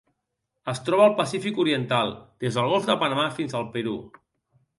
Es troba al Pacífic oriental: des del Golf de Panamà fins al Perú.